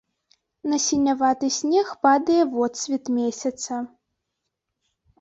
На сіняваты снег падае водсвет месяца.